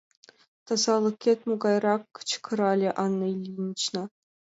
Тазалыкет могайрак? — кычкырале Анна Ильинична.